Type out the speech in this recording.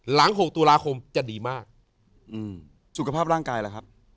หลังหกตุลาคมจะดีมากอืมสุขภาพร่างกายแล้วครับ